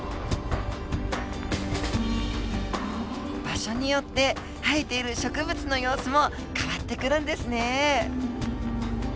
場所によって生えている植物の様子も変わってくるんですね。